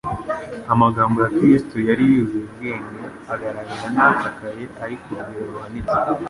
Amagambo ya Kristo yari yuzuye ubwenge, agaragara nk'akakaye ari ku rugero ruhanitse.